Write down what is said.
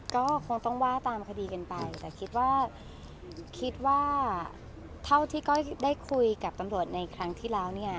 ก็คงต้องว่าตามคดีกันไปแต่คิดว่าคิดว่าคิดว่าเท่าที่ก้อยได้คุยกับตำรวจในครั้งที่แล้วเนี่ย